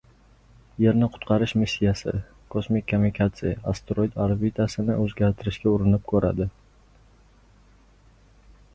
«Yerni qutqarish missiyasi» – «Kosmik kamikadze» asteroid orbitasini o‘zgartirishga urinib ko‘radi